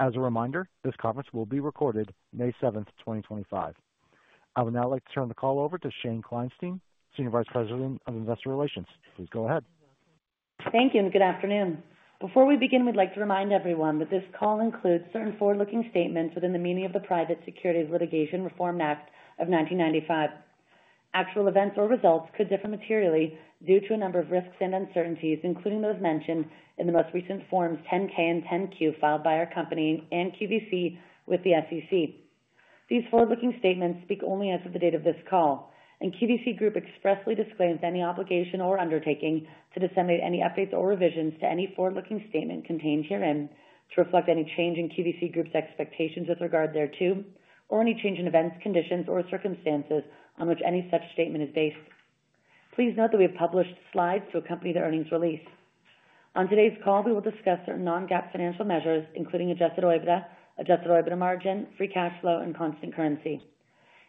As a reminder, this conference will be recorded May 7, 2025. I would now like to turn the call over to Shane Kleinstein, Senior Vice President of Investor Relations. Please go ahead. Thank you, and good afternoon. Before we begin, we'd like to remind everyone that this call includes certain forward-looking statements within the meaning of the Private Securities Litigation Reform Act of 1995. Actual events or results could differ materially due to a number of risks and uncertainties, including those mentioned in the most recent Forms 10-K and 10-Q filed by our company and QVC with the SEC. These forward-looking statements speak only as of the date of this call, and QVC Group expressly disclaims any obligation or undertaking to disseminate any updates or revisions to any forward-looking statement contained herein to reflect any change in QVC Group's expectations with regard thereto, or any change in events, conditions, or circumstances on which any such statement is based. Please note that we have published slides to accompany the earnings release. On today's call, we will discuss certain non-GAAP financial measures, including adjusted OIBDA, adjusted OIBDA margin, free cash flow, and constant currency.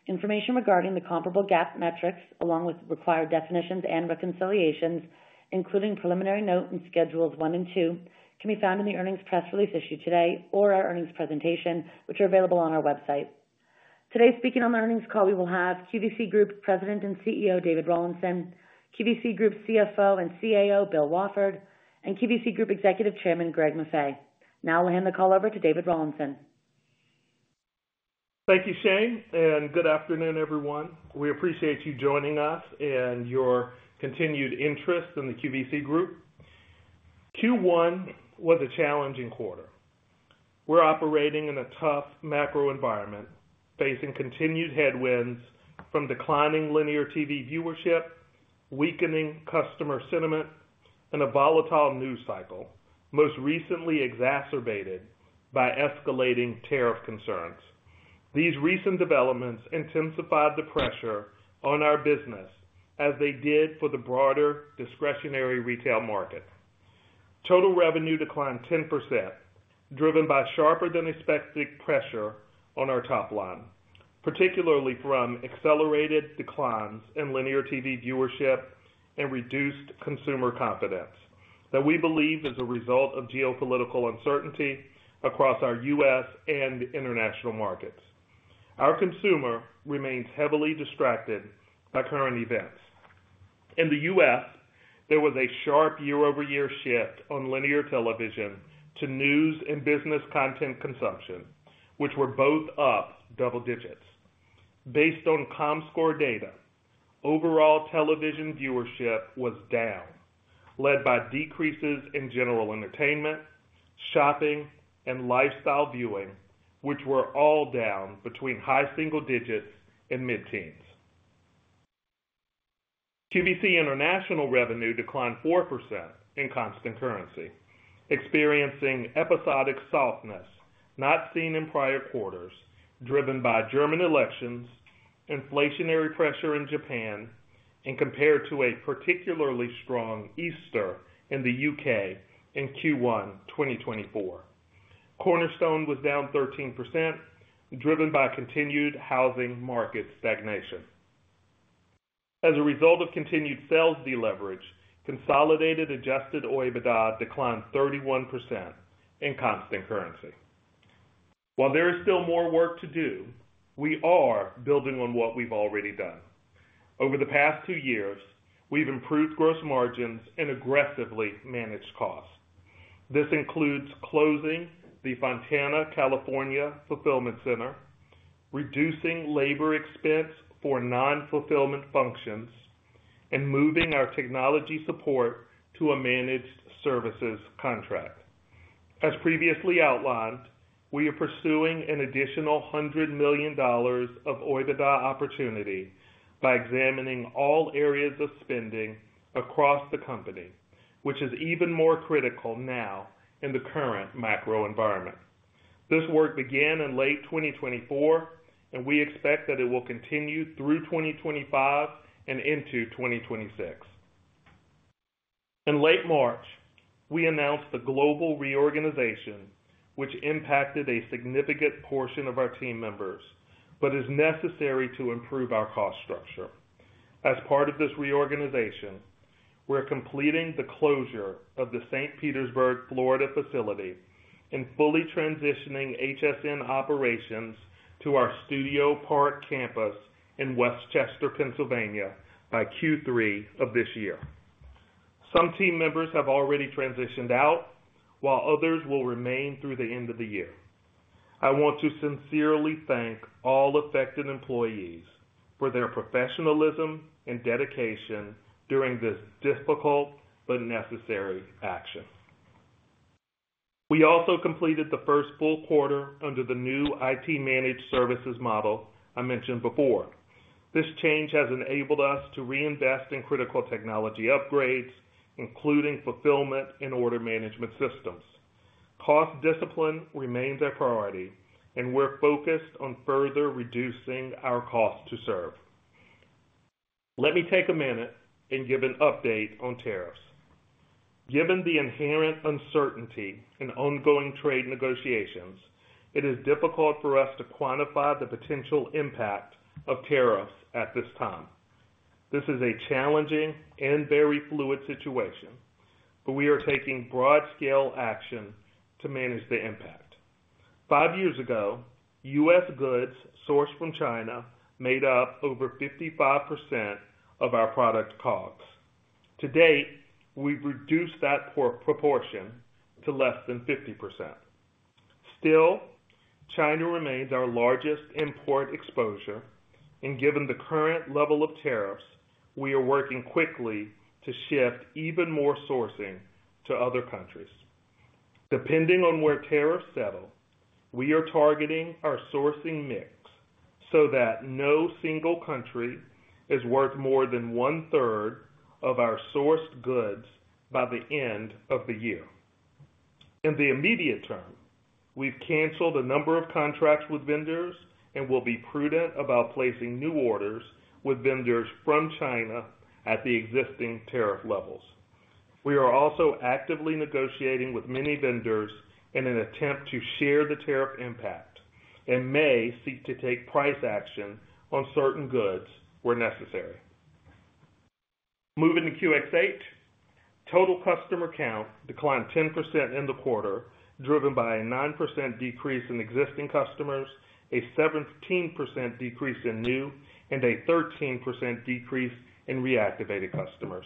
Information regarding the comparable GAAP metrics, along with required definitions and reconciliations, including preliminary note and schedules one and two, can be found in the earnings press release issued today or our earnings presentation, which are available on our website. Today, speaking on the earnings call, we will have QVC Group President and CEO David Rawlinson, QVC Group CFO and CAO Bill Wafford, and QVC Group Executive Chairman Greg Maffei. Now I'll hand the call over to David Rawlinson. Thank you, Shane, and good afternoon, everyone. We appreciate you joining us and your continued interest in the QVC Group. Q1 was a challenging quarter. We're operating in a tough macro environment, facing continued headwinds from declining linear TV viewership, weakening customer sentiment, and a volatile news cycle, most recently exacerbated by escalating tariff concerns. These recent developments intensified the pressure on our business as they did for the broader discretionary retail market. Total revenue declined 10%, driven by sharper-than-expected pressure on our top line, particularly from accelerated declines in linear TV viewership and reduced consumer confidence that we believe is a result of geopolitical uncertainty across our U.S. and international markets. Our consumer remains heavily distracted by current events. In the U.S., there was a sharp year-over-year shift on linear television to news and business content consumption, which were both up double digits. Based on Comscore data, overall television viewership was down, led by decreases in general entertainment, shopping, and lifestyle viewing, which were all down between high single digits and mid-teens. QVC International revenue declined 4% in constant currency, experiencing episodic softness not seen in prior quarters, driven by German elections, inflationary pressure in Japan, and compared to a particularly strong Easter in the U.K. in Q1 2024. Cornerstone was down 13%, driven by continued housing market stagnation. As a result of continued sales deleverage, consolidated adjusted OIBDA declined 31% in constant currency. While there is still more work to do, we are building on what we've already done. Over the past two years, we've improved gross margins and aggressively managed costs. This includes closing the Fontana, California Fulfillment Center, reducing labor expense for non-fulfillment functions, and moving our technology support to a managed services contract. As previously outlined, we are pursuing an additional $100 million of OIBDA opportunity by examining all areas of spending across the company, which is even more critical now in the current macro environment. This work began in late 2024, and we expect that it will continue through 2025 and into 2026. In late March, we announced the global reorganization, which impacted a significant portion of our team members but is necessary to improve our cost structure. As part of this reorganization, we're completing the closure of the St. Petersburg, Florida facility and fully transitioning HSN operations to our Studio Park campus in Westchester, Pennsylvania, by Q3 of this year. Some team members have already transitioned out, while others will remain through the end of the year. I want to sincerely thank all affected employees for their professionalism and dedication during this difficult but necessary action. We also completed the first full quarter under the new IT managed services model I mentioned before. This change has enabled us to reinvest in critical technology upgrades, including fulfillment and order management systems. Cost discipline remains our priority, and we're focused on further reducing our cost to serve. Let me take a minute and give an update on tariffs. Given the inherent uncertainty in ongoing trade negotiations, it is difficult for us to quantify the potential impact of tariffs at this time. This is a challenging and very fluid situation, but we are taking broad-scale action to manage the impact. Five years ago, U.S. goods sourced from China made up over 55% of our product costs. To date, we've reduced that proportion to less than 50%. Still, China remains our largest import exposure, and given the current level of tariffs, we are working quickly to shift even more sourcing to other countries. Depending on where tariffs settle, we are targeting our sourcing mix so that no single country is worth more than one-third of our sourced goods by the end of the year. In the immediate term, we've canceled a number of contracts with vendors and will be prudent about placing new orders with vendors from China at the existing tariff levels. We are also actively negotiating with many vendors in an attempt to share the tariff impact and may seek to take price action on certain goods where necessary. Moving to QxH, total customer count declined 10% in the quarter, driven by a 9% decrease in existing customers, a 17% decrease in new, and a 13% decrease in reactivated customers.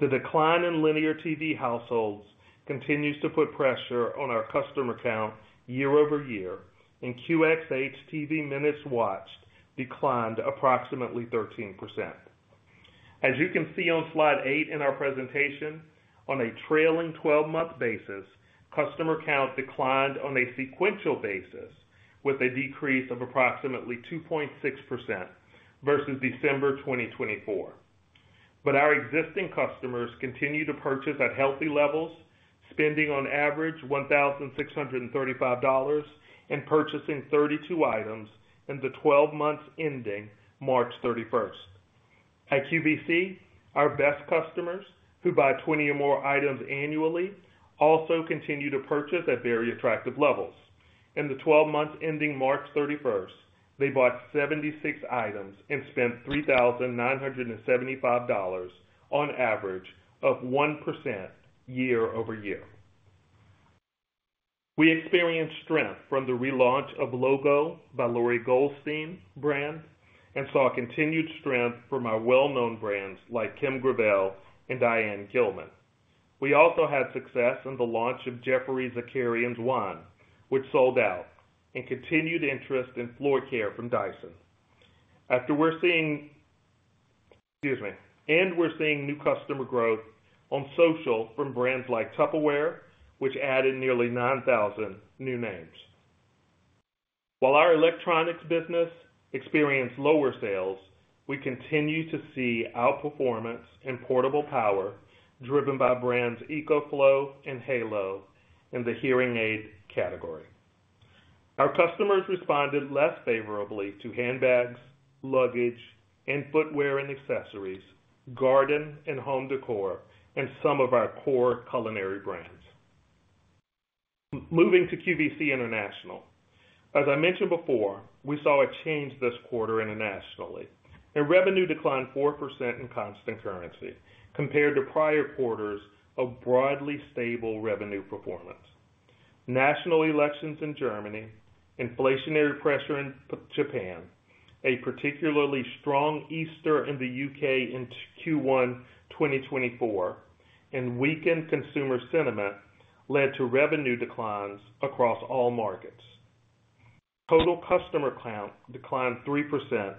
The decline in linear TV households continues to put pressure on our customer count year-over-year, and QxH's TV minutes watched declined approximately 13%. As you can see on slide 8 in our presentation, on a trailing 12-month basis, customer count declined on a sequential basis with a decrease of approximately 2.6% versus December 2024. Our existing customers continue to purchase at healthy levels, spending on average $1,635 and purchasing 32 items in the 12 months ending March 31st. At QVC, our best customers, who buy 20 or more items annually, also continue to purchase at very attractive levels. In the 12 months ending March 31st, they bought 76 items and spent $3,975 on average, up 1% year-over-year. We experienced strength from the relaunch of LOGO by Lori Goldstein brand and saw continued strength from our well-known brands like Kim Gravel and Diane Gilman. We also had success in the launch of Geoffrey Zakarian's Wine, which sold out, and continued interest in Floor Care from Dyson. After—we're seeing, excuse me—and we're seeing new customer growth on social from brands like Tupperware, which added nearly 9,000 new names. While our electronics business experienced lower sales, we continue to see outperformance in portable power driven by brands EcoFlow and Halo in the hearing aid category. Our customers responded less favorably to handbags, luggage, and footwear and accessories, garden and home decor, and some of our core culinary brands. Moving to QVC International. As I mentioned before, we saw a change this quarter internationally. The revenue declined 4% in constant currency compared to prior quarters of broadly stable revenue performance. National elections in Germany, inflationary pressure in Japan, a particularly strong Easter in the U.K. In Q1 2024, and weakened consumer sentiment led to revenue declines across all markets. Total customer count declined 3%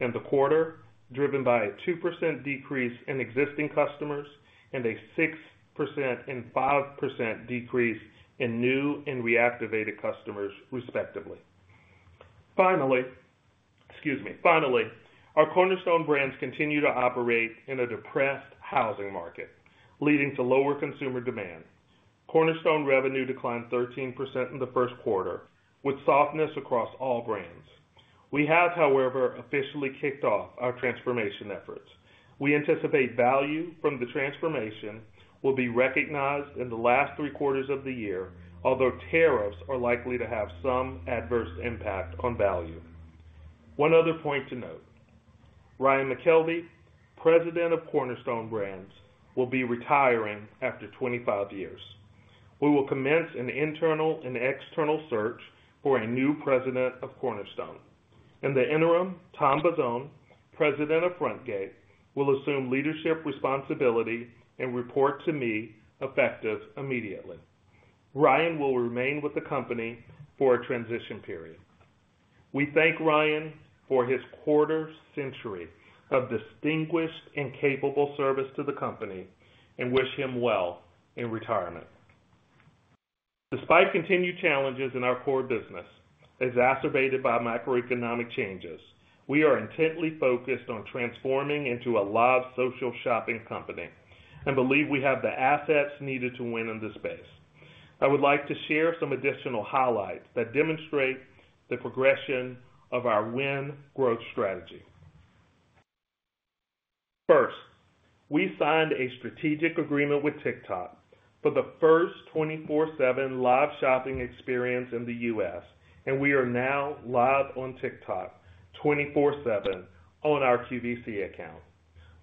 in the quarter, driven by a 2% decrease in existing customers and a 6% and 5% decrease in new and reactivated customers, respectively. Finally, excuse me, finally, our Cornerstone brands continue to operate in a depressed housing market, leading to lower consumer demand. Cornerstone revenue declined 13% in the first quarter, with softness across all brands. We have, however, officially kicked off our transformation efforts. We anticipate value from the transformation will be recognized in the last three quarters of the year, although tariffs are likely to have some adverse impact on value. One other point to note: Ryan McKelvey, President of Cornerstone Brands, will be retiring after 25 years. We will commence an internal and external search for a new President of Cornerstone. In the interim, Tom Bazzone, President of Frontgate, will assume leadership responsibility and report to me effective immediately. Ryan will remain with the company for a transition period. We thank Ryan for his quarter-century of distinguished and capable service to the company and wish him well in retirement. Despite continued challenges in our core business exacerbated by macroeconomic changes, we are intently focused on transforming into a live social shopping company and believe we have the assets needed to win in this space. I would like to share some additional highlights that demonstrate the progression of our WIN growth strategy. First, we signed a strategic agreement with TikTok for the first 24/7 live shopping experience in the U.S., and we are now live on TikTok 24/7 on our QVC account.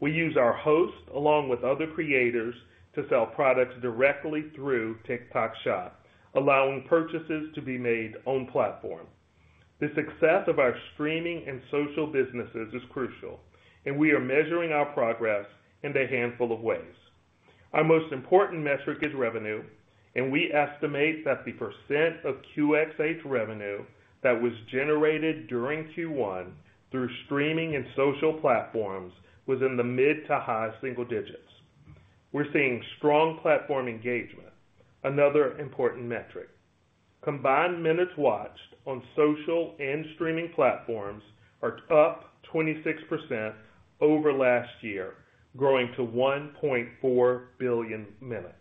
We use our host along with other creators to sell products directly through TikTok Shop, allowing purchases to be made on platform. The success of our streaming and social businesses is crucial, and we are measuring our progress in a handful of ways. Our most important metric is revenue, and we estimate that the percent of QxH revenue that was generated during Q1 through streaming and social platforms was in the mid to high single digits. We're seeing strong platform engagement, another important metric. Combined minutes watched on social and streaming platforms are up 26% over last year, growing to 1.4 billion minutes.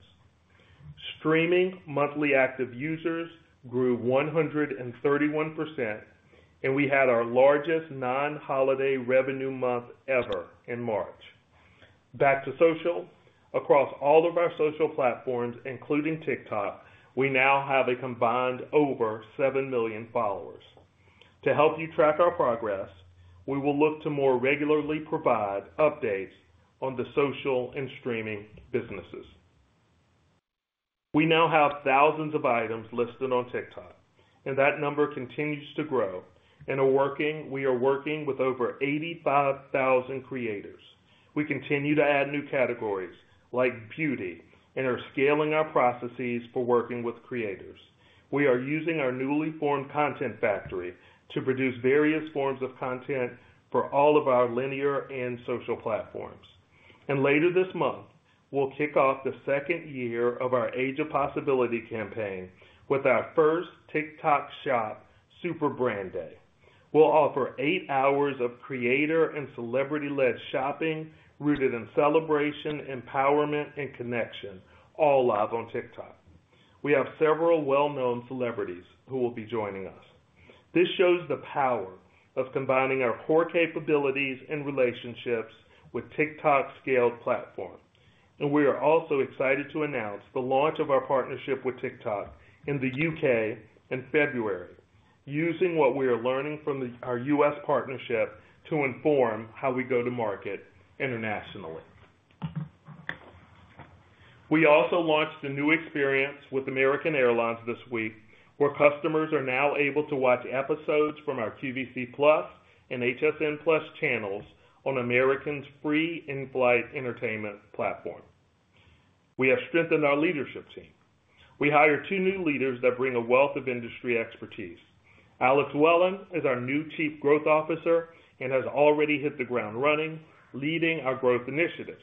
Streaming monthly active users grew 131%, and we had our largest non-holiday revenue month ever in March. Back to social, across all of our social platforms, including TikTok, we now have a combined over 7 million followers. To help you track our progress, we will look to more regularly provide updates on the social and streaming businesses. We now have thousands of items listed on TikTok, and that number continues to grow. We are working with over 85,000 creators. We continue to add new categories like beauty and are scaling our processes for working with creators. We are using our newly formed content factory to produce various forms of content for all of our linear and social platforms. Later this month, we'll kick off the second year of our Age of Possibility campaign with our first TikTok Shop Super Brand Day. We'll offer eight hours of creator and celebrity-led shopping rooted in celebration, empowerment, and connection, all live on TikTok. We have several well-known celebrities who will be joining us. This shows the power of combining our core capabilities and relationships with TikTok's scaled platform. We are also excited to announce the launch of our partnership with TikTok in the U.K. in February, using what we are learning from our U.S. partnership to inform how we go to market internationally. We also launched a new experience with American Airlines this week, where customers are now able to watch episodes from our QVC+ and HSN+ channels on American's free in-flight entertainment platform. We have strengthened our leadership team. We hired two new leaders that bring a wealth of industry expertise. Alex Wellen is our new Chief Growth Officer and has already hit the ground running, leading our growth initiatives.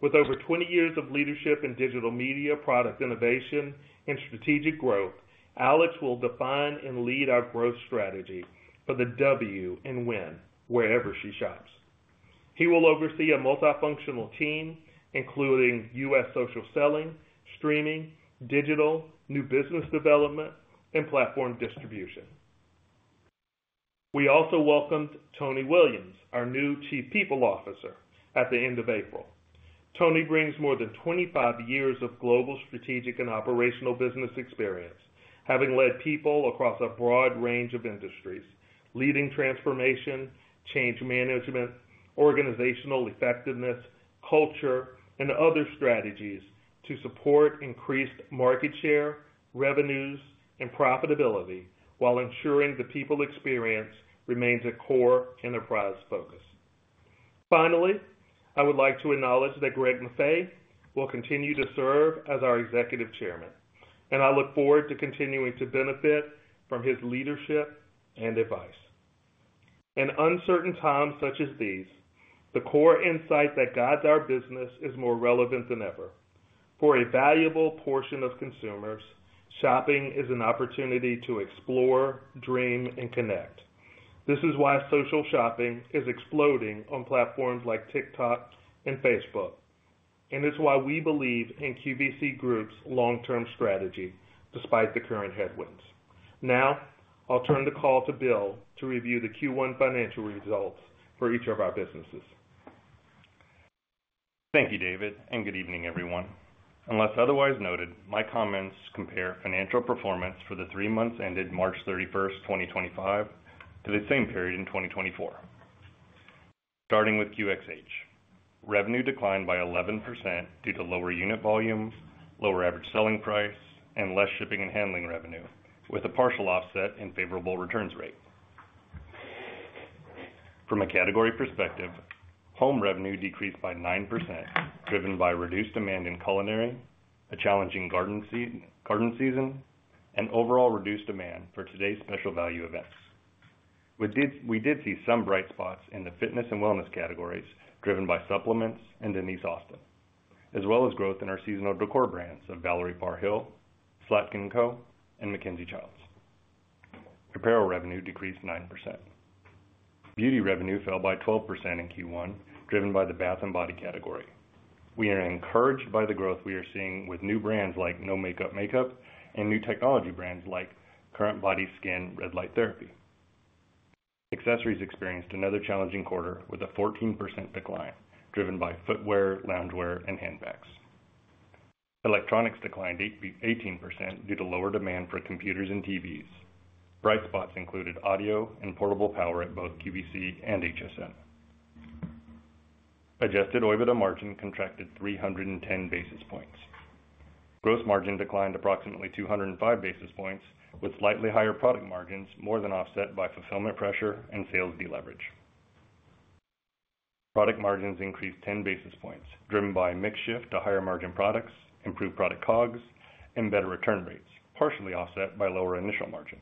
With over 20 years of leadership in digital media, product innovation, and strategic growth, Alex will define and lead our growth strategy for the W and WIN Wherever She Shops. He will oversee a multifunctional team, including U.S. Social selling, streaming, digital, new business development, and platform distribution. We also welcomed Tony Williams, our new Chief People Officer, at the end of April. Tony brings more than 25 years of global strategic and operational business experience, having led people across a broad range of industries, leading transformation, change management, organizational effectiveness, culture, and other strategies to support increased market share, revenues, and profitability while ensuring the people experience remains a core enterprise focus. Finally, I would like to acknowledge that Greg Maffei will continue to serve as our Executive Chairman, and I look forward to continuing to benefit from his leadership and advice. In uncertain times such as these, the core insight that guides our business is more relevant than ever. For a valuable portion of consumers, shopping is an opportunity to explore, dream, and connect. This is why social shopping is exploding on platforms like TikTok and Facebook, and it's why we believe in QVC Group's long-term strategy despite the current headwinds. Now, I'll turn the call to Bill to review the Q1 financial results for each of our businesses. Thank you, David, and good evening, everyone. Unless otherwise noted, my comments compare financial performance for the three months ended March 31st, 2025, to the same period in 2024. Starting with QxH, revenue declined by 11% due to lower unit volume, lower average selling price, and less shipping and handling revenue, with a partial offset in favorable returns rate. From a category perspective, home revenue decreased by 9%, driven by reduced demand in culinary, a challenging garden season, and overall reduced demand for today's special value events. We did see some bright spots in the fitness and wellness categories, driven by supplements and Denise Austin, as well as growth in our seasonal decor brands of Valerie Parr Hill, Slatkin + Co and MacKenzie-Childs. Apparel revenue decreased 9%. Beauty revenue fell by 12% in Q1, driven by the bath and body category. We are encouraged by the growth we are seeing with new brands like No Makeup Makeup and new technology brands like CurrentBody Skin LED Light Therapy. Accessories experienced another challenging quarter with a 14% decline, driven by footwear, loungewear, and handbags. Electronics declined 18% due to lower demand for computers and TVs. Bright spots included audio and portable power at both QVC and HSN. Adjusted OIBDA margin contracted 310 basis points. Gross margin declined approximately 205 basis points, with slightly higher product margins more than offset by fulfillment pressure and sales deleverage. Product margins increased 10 basis points, driven by mix shift to higher margin products, improved product COGS, and better return rates, partially offset by lower initial margin.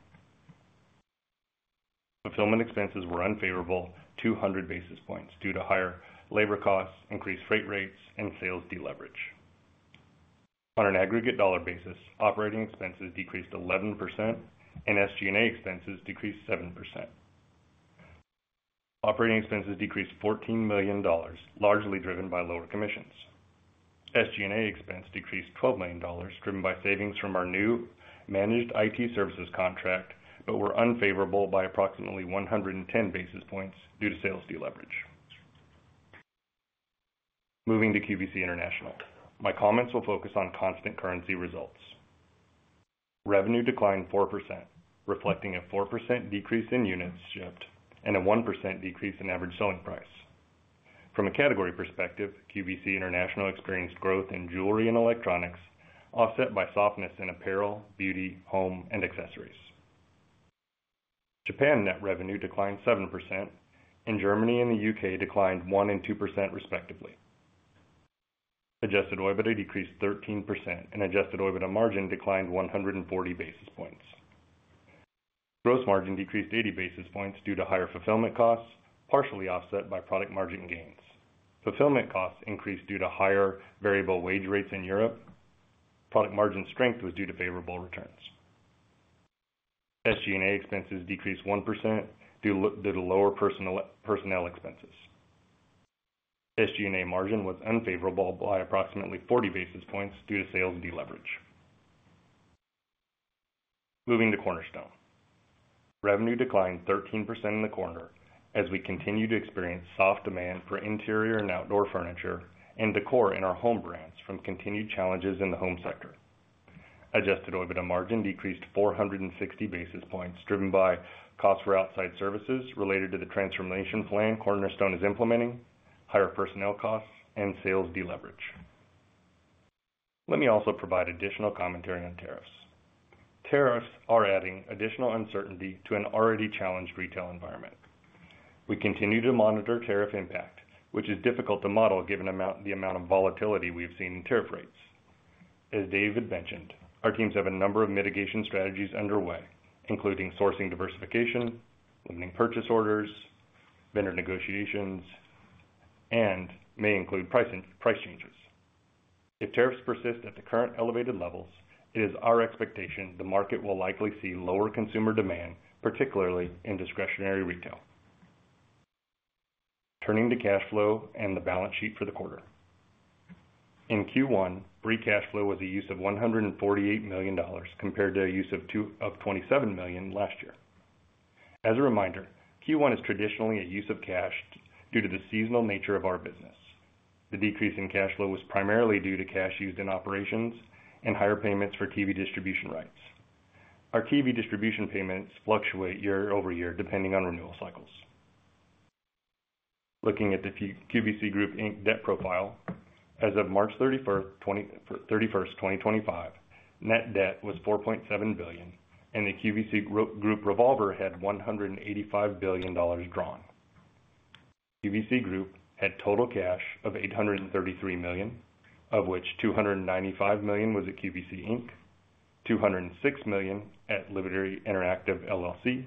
Fulfillment expenses were unfavorable 200 basis points due to higher labor costs, increased freight rates, and sales deleverage. On an aggregate dollar basis, operating expenses decreased 11%, and SG&A expenses decreased 7%. Operating expenses decreased $14 million, largely driven by lower commissions. SG&A expense decreased $12 million, driven by savings from our new managed IT services contract, but were unfavorable by approximately 110 basis points due to sales deleverage. Moving to QVC International, my comments will focus on constant currency results. Revenue declined 4%, reflecting a 4% decrease in units shipped and a 1% decrease in average selling price. From a category perspective, QVC International experienced growth in jewelry and electronics, offset by softness in apparel, beauty, home, and accessories. Japan net revenue declined 7%, and Germany and the U.K. declined 1% and 2%, respectively. Adjusted OIBDA decreased 13%, and adjusted OIBDA margin declined 140 basis points. Gross margin decreased 80 basis points due to higher fulfillment costs, partially offset by product margin gains. Fulfillment costs increased due to higher variable wage rates in Europe. Product margin strength was due to favorable returns. SG&A expenses decreased 1% due to lower personnel expenses. SG&A margin was unfavorable by approximately 40 basis points due to sales deleverage. Moving to Cornerstone, revenue declined 13% in the quarter as we continue to experience soft demand for interior and outdoor furniture and decor in our home brands from continued challenges in the home sector. Adjusted OIBDA margin decreased 460 basis points, driven by costs for outside services related to the transformation plan Cornerstone is implementing, higher personnel costs, and sales deleverage. Let me also provide additional commentary on tariffs. Tariffs are adding additional uncertainty to an already challenged retail environment. We continue to monitor tariff impact, which is difficult to model given the amount of volatility we've seen in tariff rates. As David mentioned, our teams have a number of mitigation strategies underway, including sourcing diversification, limiting purchase orders, vendor negotiations, and may include price changes. If tariffs persist at the current elevated levels, it is our expectation the market will likely see lower consumer demand, particularly in discretionary retail. Turning to cash flow and the balance sheet for the quarter. In Q1, free cash flow was a use of $148 million compared to a use of $27 million last year. As a reminder, Q1 is traditionally a use of cash due to the seasonal nature of our business. The decrease in cash flow was primarily due to cash used in operations and higher payments for TV distribution rights. Our TV distribution payments fluctuate year-over-year depending on renewal cycles. Looking at the QVC Group Inc debt profile, as of March 31st, 2025, net debt was $4.7 billion, and the QVC Group revolver had $185 million drawn. QVC Group had total cash of $833 million, of which $295 million was at QVC Inc $206 million at Liberty Interactive LLC,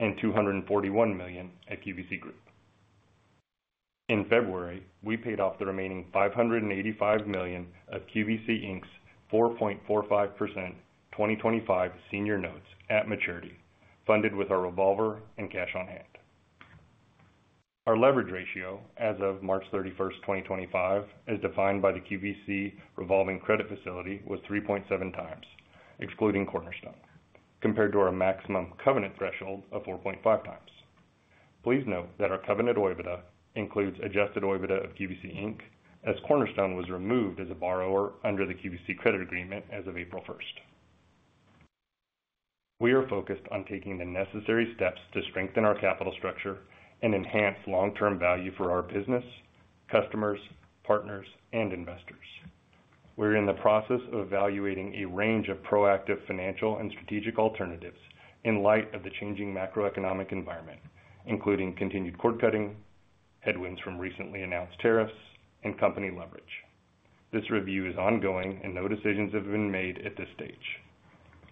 and $241 million at QVC Group. In February, we paid off the remaining $585 million of QVC Inc's 4.45% 2025 senior notes at maturity, funded with our revolver and cash on hand. Our leverage ratio as of March 31st, 2025, as defined by the QVC revolving credit facility was 3.7x, excluding Cornerstone, compared to our maximum covenant threshold of 4.5x. Please note that our covenant OIBDA includes adjusted OIBDA of QVC Inc, as Cornerstone was removed as a borrower under the QVC credit agreement as of April 1st. We are focused on taking the necessary steps to strengthen our capital structure and enhance long-term value for our business, customers, partners, and investors. We're in the process of evaluating a range of proactive financial and strategic alternatives in light of the changing macroeconomic environment, including continued cord-cutting, headwinds from recently announced tariffs, and company leverage. This review is ongoing, and no decisions have been made at this stage.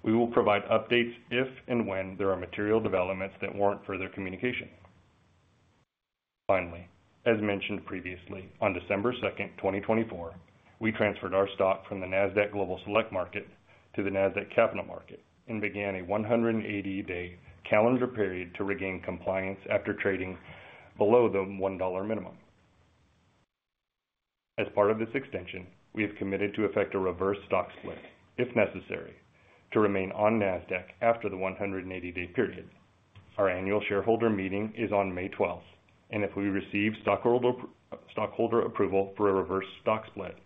We will provide updates if and when there are material developments that warrant further communication. Finally, as mentioned previously, on December 2nd, 2024, we transferred our stock from the NASDAQ Global Select Market to the NASDAQ Capital Market and began a 180-day calendar period to regain compliance after trading below the $1 minimum. As part of this extension, we have committed to effect a reverse stock split, if necessary, to remain on NASDAQ after the 180-day period. Our annual shareholder meeting is on May 12, and if we receive stockholder approval for a reverse stock split,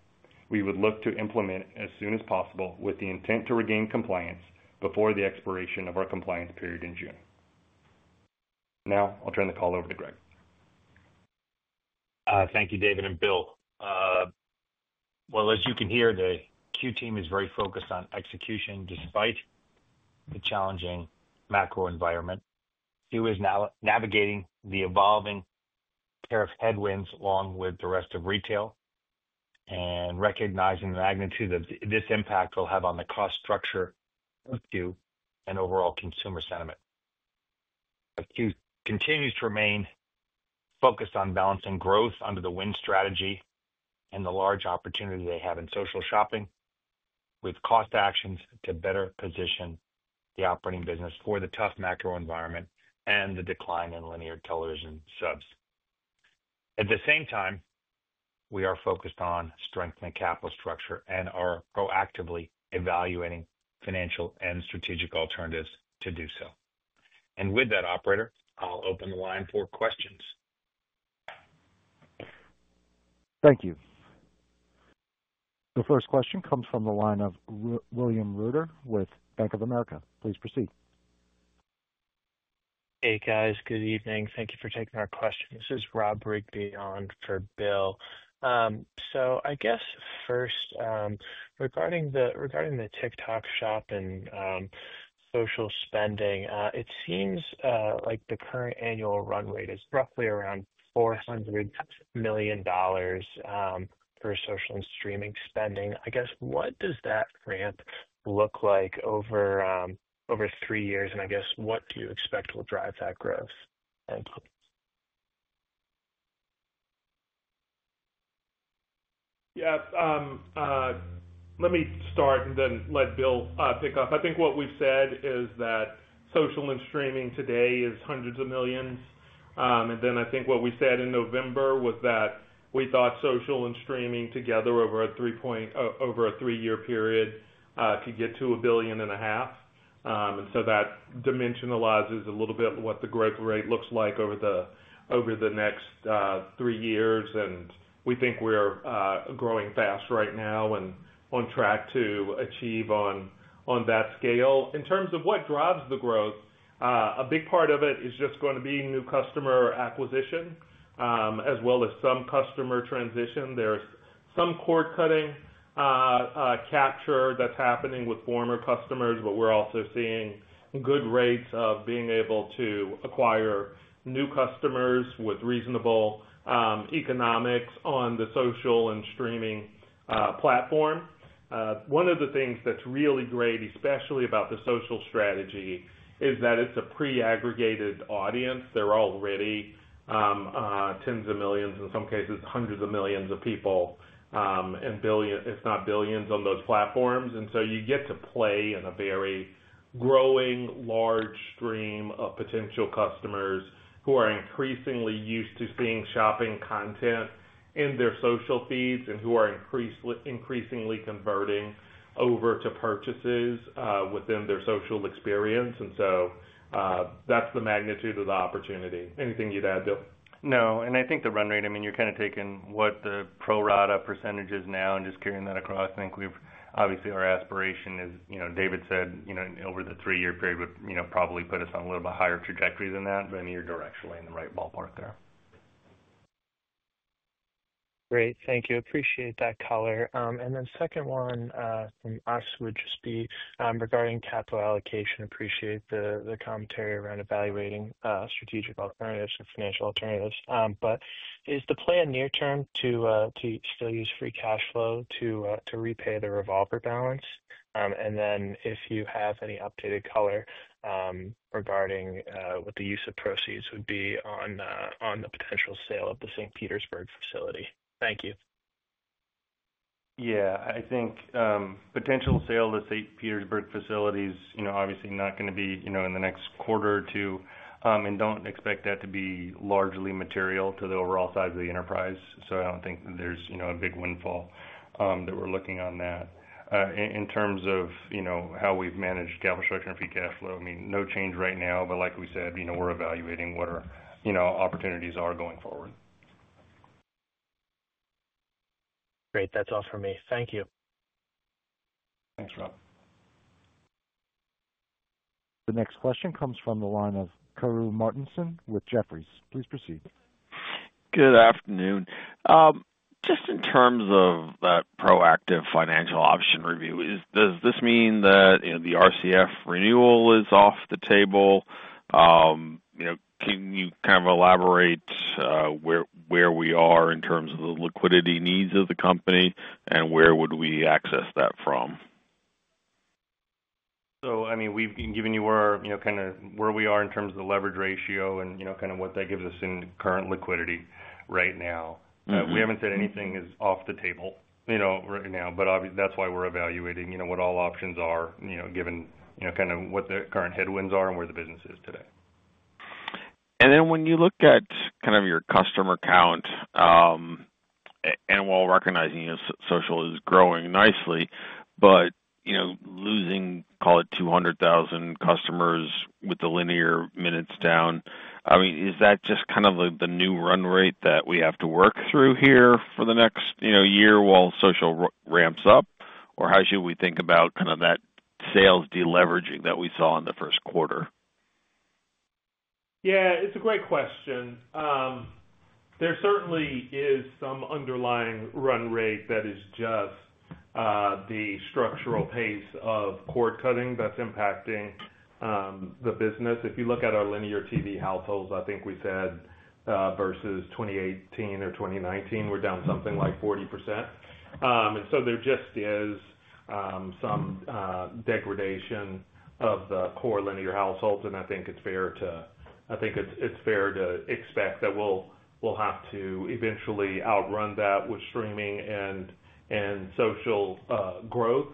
we would look to implement as soon as possible with the intent to regain compliance before the expiration of our compliance period in June. Now, I'll turn the call over to Greg. Thank you, David and Bill. As you can hear, the QVC team is very focused on execution despite the challenging macro environment. QVC is now navigating the evolving tariff headwinds along with the rest of retail and recognizing the magnitude of this impact will have on the cost structure of QVC and overall consumer sentiment. QVC continues to remain focused on balancing growth under the win strategy and the large opportunity they have in social shopping with cost actions to better position the operating business for the tough macro environment and the decline in linear television subs. At the same time, we are focused on strengthening capital structure and are proactively evaluating financial and strategic alternatives to do so. With that, Operator, I'll open the line for questions. Thank you. The first question comes from the line of William Reuter with Bank of America. Please proceed. Hey, guys. Good evening. Thank you for taking our questions. This is Rob Rigby on for Will. So, I guess first, regarding the TikTok Shop and social spending, it seems like the current annual run rate is roughly around $400 million for social and streaming spending. I guess, what does that ramp look like over three years? I guess, what do you expect will drive that growth? Thank you. Yeah. Let me start and then let Bill pick up. I think what we have said is that social and streaming today is hundreds of millions. I think what we said in November was that we thought social and streaming together over a three-year period could get to $1.5 billion. That dimensionalizes a little bit what the growth rate looks like over the next three years. We think we are growing fast right now and on track to achieve on that scale. In terms of what drives the growth, a big part of it is just going to be new customer acquisition as well as some customer transition. There is some cord cutting capture that is happening with former customers, but we are also seeing good rates of being able to acquire new customers with reasonable economics on the social and streaming platform. One of the things that is really great, especially about the social strategy, is that it is a pre-aggregated audience. There are already tens of millions, in some cases, hundreds of millions of people, if not billions, on those platforms. You get to play in a very growing large stream of potential customers who are increasingly used to seeing shopping content in their social feeds and who are increasingly converting over to purchases within their social experience. That is the magnitude of the opportunity. Anything you would add, Bill? No. I think the run rate, I mean, you're kind of taking what the pro rata percentage is now and just carrying that across. I think we've obviously our aspiration is, as David said, over the three-year period would probably put us on a little bit higher trajectory than that, but you're directionally in the right ballpark there. Great. Thank you. Appreciate that, color. The second one from us would just be regarding capital allocation. Appreciate the commentary around evaluating strategic alternatives and financial alternatives. Is the plan near-term to still use free cash flow to repay the revolver balance? And if you have any updated color regarding what the use of proceeds would be on the potential sale of the St. Petersburg facility. Thank you. I think potential sale of the St. Petersburg facility is obviously not going to be in the next quarter or two. Do not expect that to be largely material to the overall size of the enterprise. I do not think there is a big windfall that we are looking on that. In terms of how we have managed capital structure and free cash flow, I mean, no change right now, but like we said, we are evaluating what our opportunities are going forward. Great. That is all for me. Thank you. Thanks, Rob. The next question comes from the line of Karru Martinson with Jefferies. Please proceed. Good afternoon. Just in terms of that proactive financial option review, does this mean that the RCF renewal is off the table? Can you kind of elaborate where we are in terms of the liquidity needs of the company and where would we access that from? I mean, we've given you kind of where we are in terms of the leverage ratio and kind of what that gives us in current liquidity right now. We haven't said anything is off the table right now, but that's why we're evaluating what all options are given kind of what the current headwinds are and where the business is today. And then when you look at kind of your customer count, and while recognizing social is growing nicely, but losing, call it, 200,000 customers with the linear minutes down, I mean, is that just kind of the new run rate that we have to work through here for the next year while social ramps up? Or how should we think about kind of that sales deleveraging that we saw in the first quarter? Yeah. It's a great question. There certainly is some underlying run rate that is just the structural pace of cord-cutting that's impacting the business. If you look at our linear TV households, I think we said versus 2018 or 2019, we're down something like 40%. There just is some degradation of the core linear households, and I think it's fair to expect that we'll have to eventually outrun that with streaming and social growth.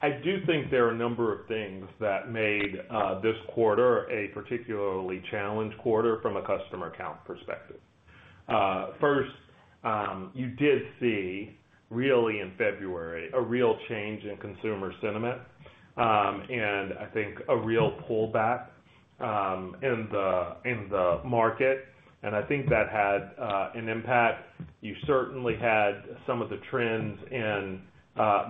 I do think there are a number of things that made this quarter a particularly challenged quarter from a customer account perspective. First, you did see really in February a real change in consumer sentiment and I think a real pullback in the market. I think that had an impact. You certainly had some of the trends in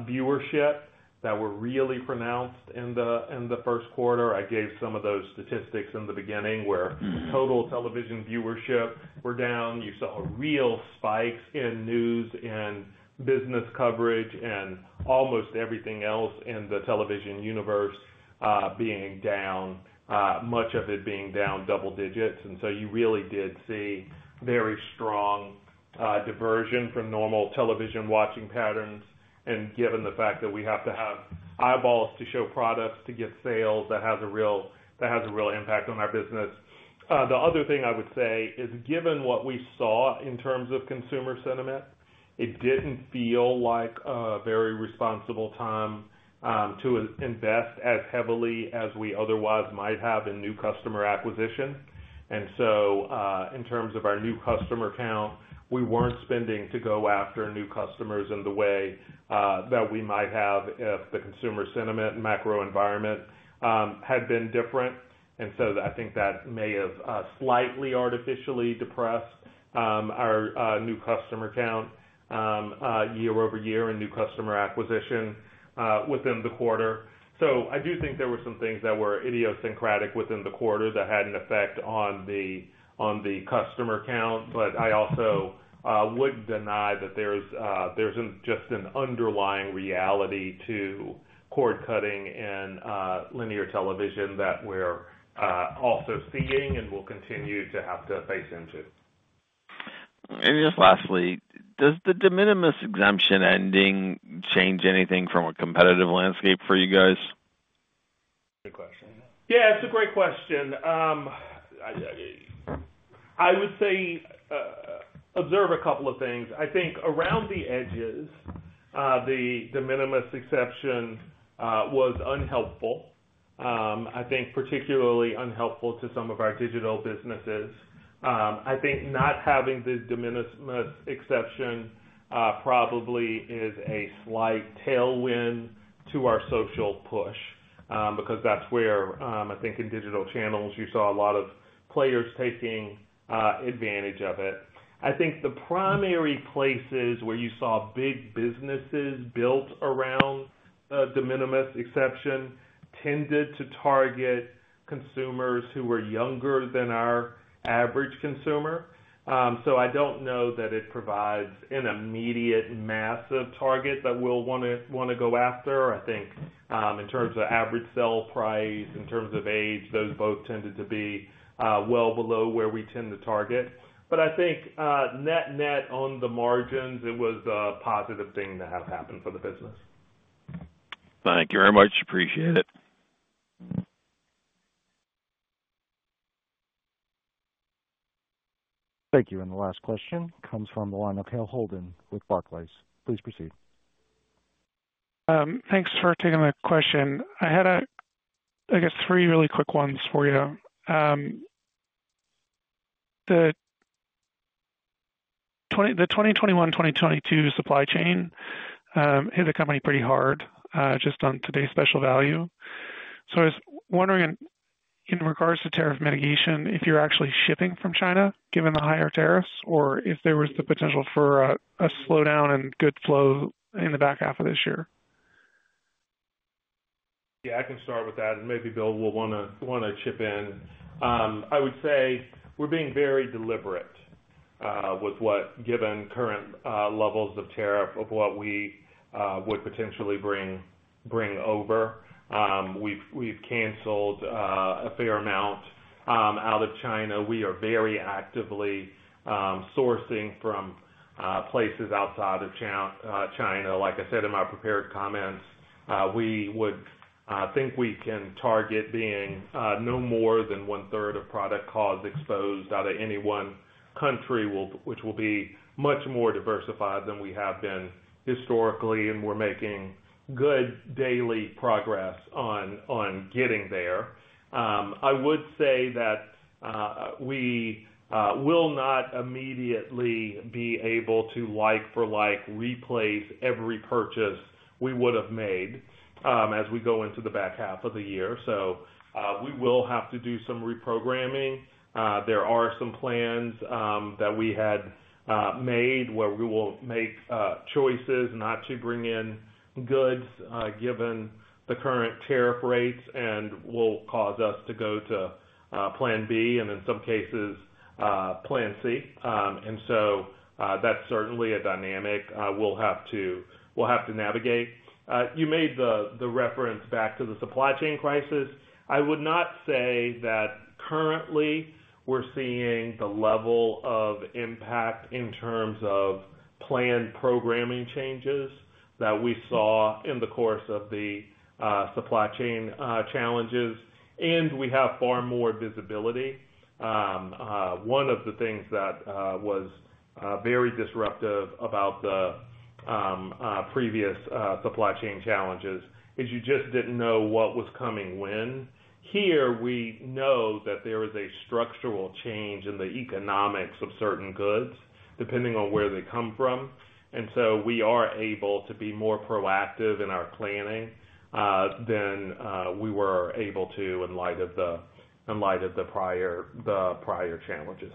viewership that were really pronounced in the first quarter. I gave some of those statistics in the beginning where total television viewership were down. You saw real spikes in news and business coverage and almost everything else in the television universe being down, much of it being down double digits. You really did see very strong diversion from normal television watching patterns. Given the fact that we have to have eyeballs to show products to get sales, that has a real impact on our business. The other thing I would say is given what we saw in terms of consumer sentiment, it did not feel like a very responsible time to invest as heavily as we otherwise might have in new customer acquisition. In terms of our new customer count, we were not spending to go after new customers in the way that we might have if the consumer sentiment macro environment had been different. I think that may have slightly artificially depressed our new customer count year-over-year and new customer acquisition within the quarter. I do think there were some things that were idiosyncratic within the quarter that had an effect on the customer count. I also would not deny that there is just an underlying reality to cord-cutting and linear television that we are also seeing and will continue to have to face into. And just ;astly, does the de minimis exemption ending change anything from a competitive landscape for you guys? Good question. Yeah. It is a great question. I would say observe a couple of things. I think around the edges, the de minimis exception was unhelpful. I think particularly unhelpful to some of our digital businesses. I think not having the de minimis exception probably is a slight tailwind to our social push because that's where I think in digital channels you saw a lot of players taking advantage of it. I think the primary places where you saw big businesses built around the de minimis exception tended to target consumers who were younger than our average consumer. I do not know that it provides an immediate massive target that we'll want to go after. I think in terms of average sell price, in terms of age, those both tended to be well below where we tend to target. I think net-net on the margins, it was a positive thing to have happened for the business. Thank you very much. Appreciate it. Thank you. The last question comes from the line of Hale Holden with Barclays. Please proceed. Thanks for taking the question. I had, I guess, three really quick ones for you. The 2021, 2022 supply chain hit the company pretty hard just on today's special value. I was wondering in regards to tariff mitigation, if you're actually shipping from China given the higher tariffs or if there was the potential for a slowdown in good flow in the back half of this year. Yeah. I can start with that. Maybe Bill will want to chip in. I would say we're being very deliberate with what, given current levels of tariff, of what we would potentially bring over. We've canceled a fair amount out of China. We are very actively sourcing from places outside of China. Like I said in my prepared comments, we would think we can target being no more than one-third of product cost exposed out of any one country, which will be much more diversified than we have been historically. We are making good daily progress on getting there. I would say that we will not immediately be able to like-for-like replace every purchase we would have made as we go into the back half of the year. We will have to do some reprogramming. There are some plans that we had made where we will make choices not to bring in goods given the current tariff rates and will cause us to go to plan B and in some cases plan C. And so that is certainly a dynamic we will have to navigate. You made the reference back to the supply chain crisis. I would not say that currently we're seeing the level of impact in terms of planned programming changes that we saw in the course of the supply chain challenges. We have far more visibility. One of the things that was very disruptive about the previous supply chain challenges is you just did not know what was coming when. Here we know that there is a structural change in the economics of certain goods depending on where they come from. We are able to be more proactive in our planning than we were able to in light of the prior challenges.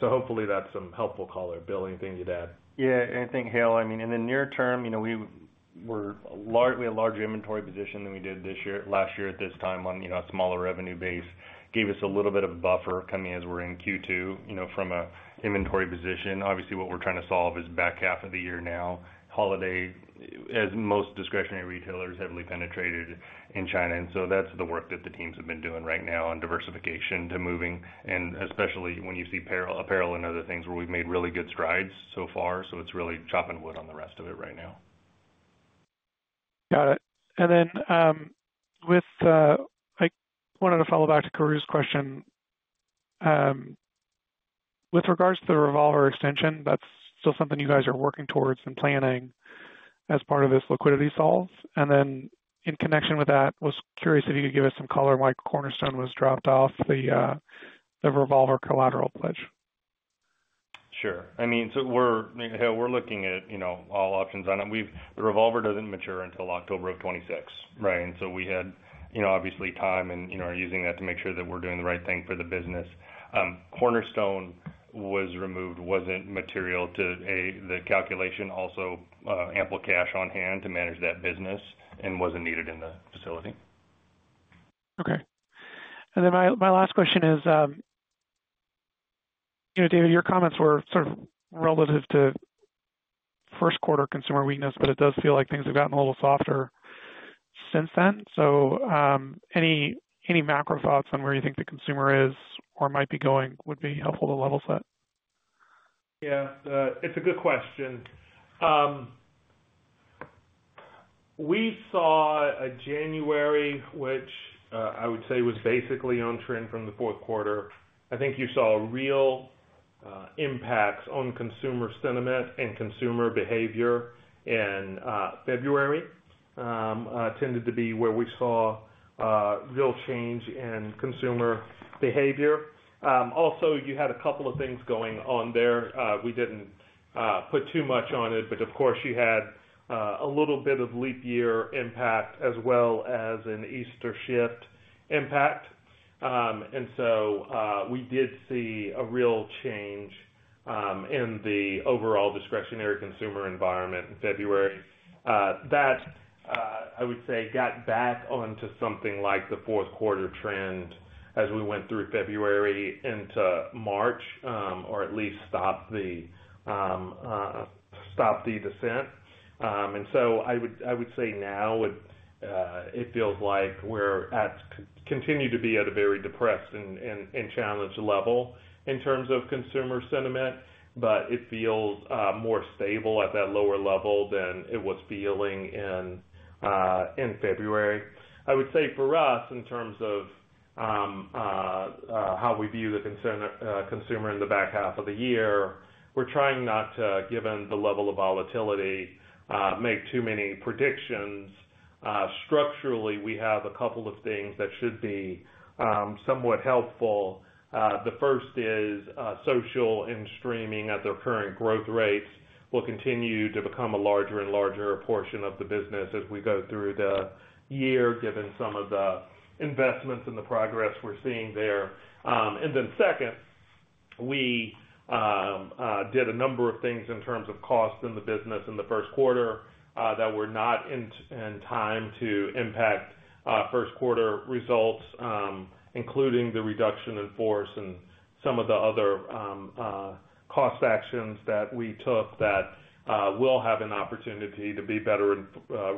Hopefully that's some helpful, color. Bill, anything you'd add? Yeah. Anything, Hale? I mean, in the near term, we have a larger inventory position than we did last year at this time on a smaller revenue base. Gave us a little bit of a buffer coming as we're in Q2 from an inventory position. Obviously, what we're trying to solve is back half of the year now, holiday, as most discretionary retailers heavily penetrated in China. That is the work that the teams have been doing right now on diversification to moving. Especially when you see apparel and other things where we've made really good strides so far. It is really chopping wood on the rest of it right now. Got it. I wanted to follow back to Karru's question. With regards to the revolver extension, that is still something you guys are working towards and planning as part of this liquidity solve. In connection with that, I was curious if you could give us some color why Cornerstone was dropped off the revolver collateral pledge. Sure. I mean, so we're looking at all options on it. The revolver does not mature until October of 2026, right? And so we had obviously time and are using that to make sure that we're doing the right thing for the business. Cornerstone was removed, was not material to the calculation, also ample cash on hand to manage that business and was not needed in the facility. Okay. My last question is, David, your comments were sort of relative to first quarter consumer weakness, but it does feel like things have gotten a little softer since then. Any macro thoughts on where you think the consumer is or might be going would be helpful to level set. Yeah. It is a good question. We saw a January, which I would say was basically on trend from the fourth quarter. I think you saw real impacts on consumer sentiment and consumer behavior in February. Tended to be where we saw real change in consumer behavior. Also, you had a couple of things going on there. We did not put too much on it, but of course, you had a little bit of leap year impact as well as an Easter shift impact. And so we did see a real change in the overall discretionary consumer environment in February. That I would say got back onto something like the fourth quarter trend as we went through February into March or at least stopped the descent. I would say now it feels like we continue to be at a very depressed and challenged level in terms of consumer sentiment, but it feels more stable at that lower level than it was feeling in February. I would say for us, in terms of how we view the consumer in the back half of the year, we're trying not to, given the level of volatility, make too many predictions. Structurally, we have a couple of things that should be somewhat helpful. The first is social and streaming at their current growth rates will continue to become a larger and larger portion of the business as we go through the year, given some of the investments and the progress we're seeing there. We did a number of things in terms of cost in the business in the first quarter that were not in time to impact first quarter results, including the reduction in force and some of the other cost actions that we took that will have an opportunity to be better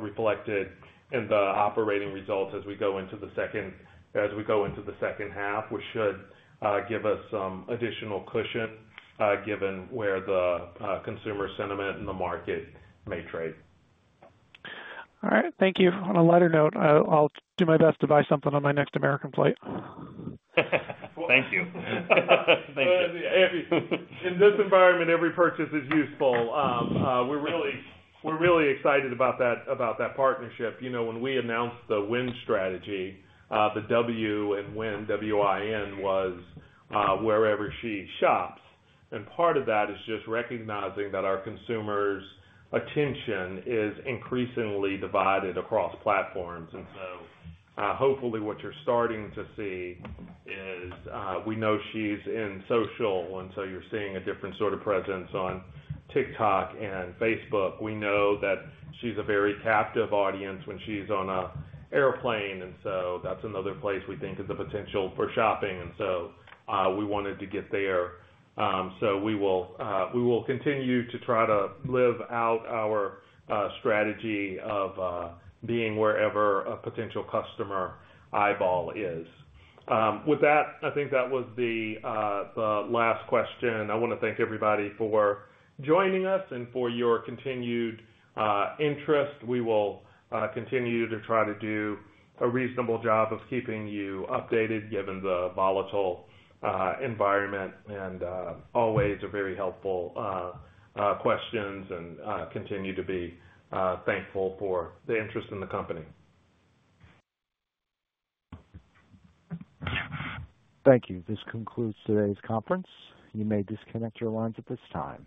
reflected in the operating results as we go into the second half, which should give us some additional cushion given where the consumer sentiment and the market may trade. All right. Thank you. On a lighter note, I'll do my best to buy something on my next American Airlines flight. Thank you. Thank you. In this environment, every purchase is useful. We're really excited about that partnership. When we announced the WIN strategy, the W in WIN, W-I-N, was Wherever She Shops. Part of that is just recognizing that our consumers' attention is increasingly divided across platforms. Hopefully what you're starting to see is we know she's in social, and so you're seeing a different sort of presence on TikTok and Facebook. We know that she's a very captive audience when she's on an airplane. That is another place we think is a potential for shopping. We wanted to get there. We will continue to try to live out our strategy of being wherever a potential customer eyeball is. With that, I think that was the last question. I want to thank everybody for joining us and for your continued interest. We will continue to try to do a reasonable job of keeping you updated given the volatile environment and always a very helpful questions and continue to be thankful for the interest in the company. Thank you. This concludes today's conference. You may disconnect your lines at this time.